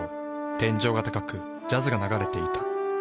天井が高くジャズが流れていた。